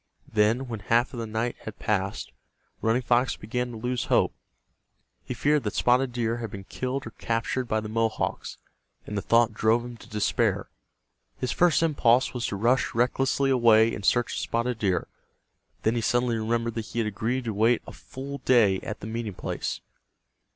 Then, when half of the night had passed, Running Fox began to lose hope. He feared that Spotted Deer had been killed or captured by the Mohawks, and the thought drove him to despair. His first impulse was to rush recklessly away in search of Spotted Deer. Then he suddenly remembered that he had agreed to wait a full day at the meeting place.